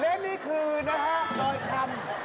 เรนนี่คือน่ะปล้อยคำ